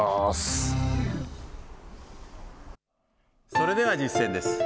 それでは実践です。